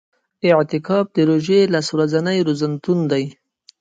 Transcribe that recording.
ځینو خلکو په چیني بیا ګوزارونه وکړل.